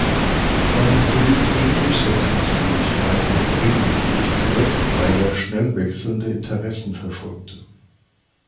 Seine politische Durchsetzungsfähigkeit war gering, nicht zuletzt, weil er schnell wechselnde Interessen verfolgte.